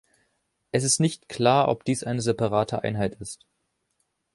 Es ist nicht klar, ob dies eine separate Einheit ist.